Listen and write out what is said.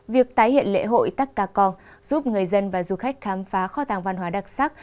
việc tái hiện lễ hội tắc cà con giúp người dân và du khách khám phá kho tàng văn hóa đặc sắc